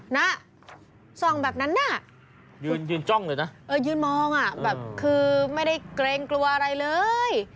น่ะส่องแบบนั้นน่ะยืนยืนจ้องเลยนะเออยืนมองอ่ะแบบคือไม่ได้เกรงกลัวอะไรเลย